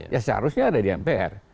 ya seharusnya ada di mpr